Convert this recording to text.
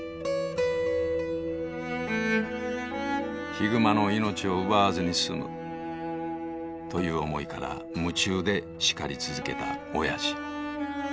ヒグマの命を奪わずに済むという思いから夢中で叱り続けたおやじ。